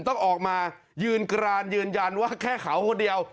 ต้องออกมายืนกรานยืนยันว่าแค่เขาคนเดียว